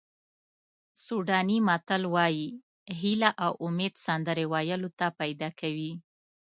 سوډاني متل وایي هیله او امید سندرې ویلو ته پیدا کوي.